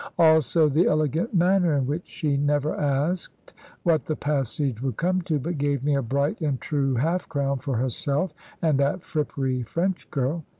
Also the elegant manner in which she never asked what the passage would come to, but gave me a bright and true half crown for herself and that frippery French girl.